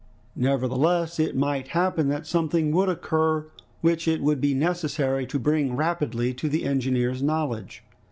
Nevertheless it might happen that something would occur which it would be necessary to bring rapidly to the engineer's knowledge.